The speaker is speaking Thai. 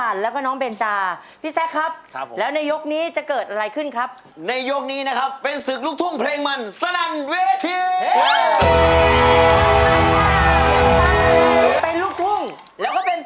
อันแรกอะดีลูกแต่กระคึกกระคึกเวทีคืออะไรลูก